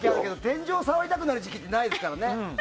天井触りたくなる時期ってないですからね。